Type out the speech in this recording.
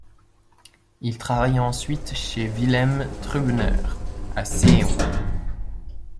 Il travaille ensuite chez Wilhelm Trübner à Seeon.